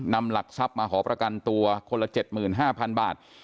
นำหลักทรัพย์มาขอประกันตัวคนละ๗๕๐๐๐บาท